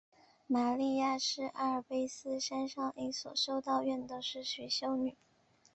玛莉亚是阿尔卑斯山上一所修道院的实习修女。